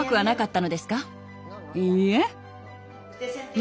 いいえ。